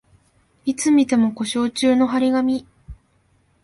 いつ見ても故障中の張り紙